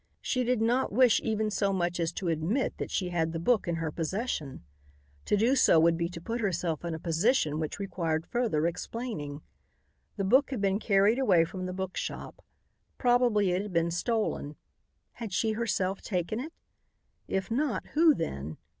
She did not wish even so much as to admit that she had the book in her possession. To do so would be to put herself in a position which required further explaining. The book had been carried away from the bookshop. Probably it had been stolen. Had she herself taken it? If not, who then?